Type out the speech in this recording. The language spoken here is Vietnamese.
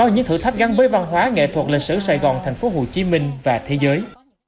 những thử thách gắn với văn hóa nghệ thuật lịch sử sài gòn tp hcm và thế giới